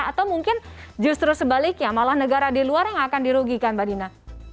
atau mungkin justru sebaliknya malah negara di luar yang akan dirugikan mbak dina